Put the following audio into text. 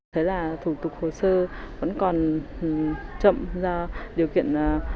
thế là thủ tục hồi sơ vẫn còn chậm do điều kiện